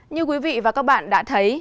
như quý vị và các bạn đã thấy